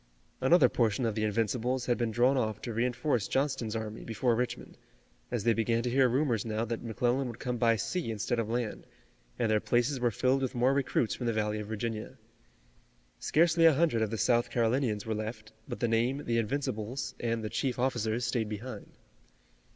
Another portion of the Invincibles had been drawn off to reinforce Johnston's army before Richmond, as they began to hear rumors now that McClellan would come by sea instead of land, and their places were filled with more recruits from the valley of Virginia. Scarcely a hundred of the South Carolinians were left, but the name, "The Invincibles" and the chief officers, stayed behind.